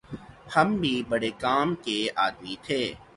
ہم بھی بھڑے کام کے آدمی تھے